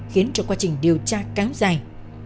khiến cho quá trình điều tra cám dài